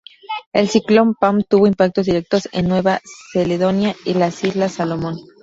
El ciclón Pam tuvo impactos directos en Nueva Caledonia y las islas Salomón.